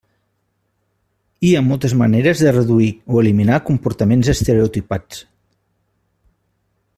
Hi ha moltes maneres de reduir o eliminar comportaments estereotipats.